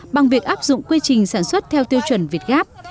bằng việc áp dụng quy trình sản xuất theo tiêu chuẩn việt gáp